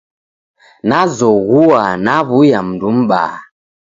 Nzoghua naw'uya mndu m'baa.